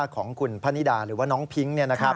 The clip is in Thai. ของคุณพนิดาหรือว่าน้องพิ้ง